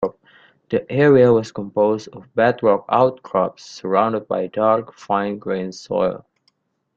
The area was composed of bedrock outcrops surrounded by dark, fine-grained soil.